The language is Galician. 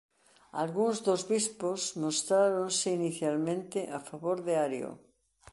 Algúns dos bispos mostráronse inicialmente a favor de Ario.